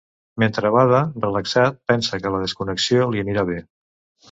Mentre bada, relaxat, pensa que la desconnexió li anirà bé.